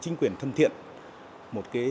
chính quyền thân thiện một cái